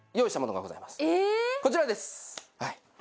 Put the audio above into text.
こちらですはい。